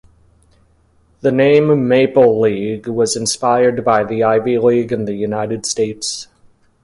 The name "Maple League" was inspired by the Ivy League in the United States.